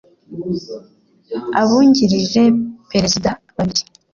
abungirije perezida babiri